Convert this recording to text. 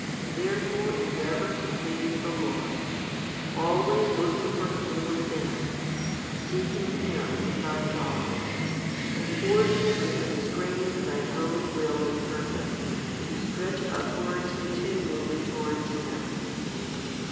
Therefore endeavour to please the Lord, always looking for Him within, seeking Him in thy thoughts, and forcing and constraining thine own will and purpose to stretch upwards continually towards Him.